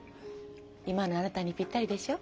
今のあなたにぴったりでしょ？